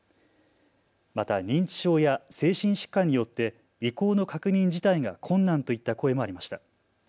また認知症や精神疾患によって意向の確認自体が困難といった声もありました。